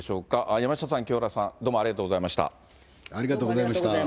山下さん、清原さん、どうもありありがとうございました。